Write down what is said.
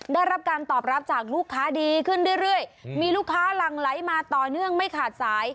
ได้รับการตอบรับจากลูกค้าดีขึ้นเรื่อยมีลูกค้าหลั่งไหลมาต่อเนื่องไม่ขาดสาย